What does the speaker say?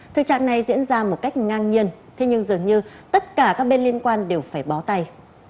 thực trạng này diễn ra một cách ngang nhiên thế nhưng dường như tất cả các bên liên quan đều phải bó tay